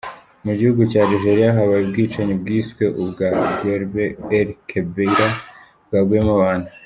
Mu gihugu cya Algeria habaye ubwicanyi bwiswe ubwa Guelb El-Kebir bwaguyemo abantu .